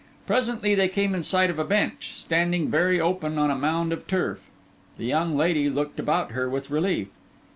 Presently they came in sight of a bench, standing very open on a mound of turf. The young lady looked about her with relief.